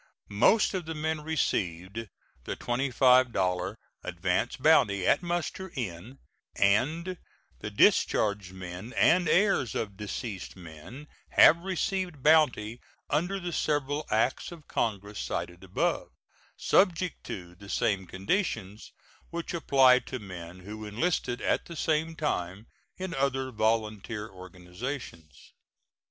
Most of the men received the $25 advance bounty at muster in, and the discharged men and heirs of deceased men have received bounty under the several acts of Congress cited above, subject to the same conditions which apply to men who enlisted at the same time in other volunteer organizations.